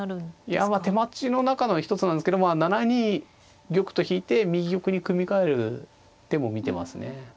いやまあ手待ちの中の一つなんですけど７二玉と引いて右玉に組み替える手も見てますね。